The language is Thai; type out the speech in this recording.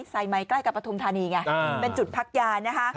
สายไหมใกล้กับปฐุมธานีไงเป็นจุดพักยานะคะ